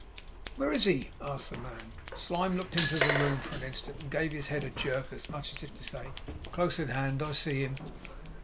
'Where is he?' asked the man. Slyme looked into the room for an instant and gave his head a jerk as much as to say, 'Close at hand. I see him.